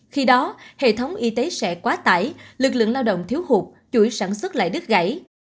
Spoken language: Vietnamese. khi đó hệ thống y tế sẽ quá tải lực lượng lao động thiếu hụt chuỗi sản xuất lại đứt gãy